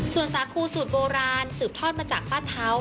ส่วนสาคูสูตรโบราณสืบทอดมาจากป้าเท้า